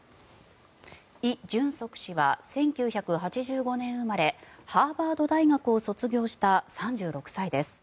イ・ジュンソク氏は１９８５年生まれハーバード大学を卒業した３６歳です。